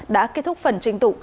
đã kết thúc phần trinh tụ